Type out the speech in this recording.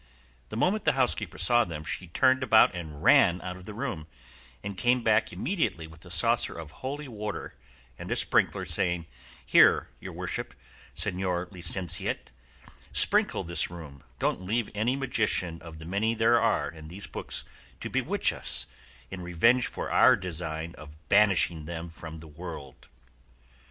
The moment the housekeeper saw them she turned about and ran out of the room, and came back immediately with a saucer of holy water and a sprinkler, saying, "Here, your worship, señor licentiate, sprinkle this room; don't leave any magician of the many there are in these books to bewitch us in revenge for our design of banishing them from the world."